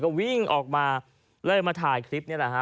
ก็วิ่งออกมาเลยมาถ่ายคลิปนี่แหละฮะ